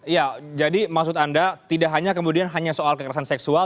ya jadi maksud anda tidak hanya kemudian hanya soal kekerasan seksual